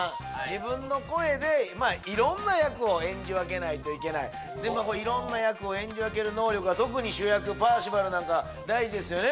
自分の声で色んな役を演じ分けないといけないでも色んな役を演じ分ける能力は特に主役パーシバルなんか大事ですよね？